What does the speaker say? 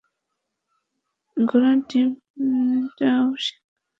ঘোড়ার ডিমটাও শিখিনি।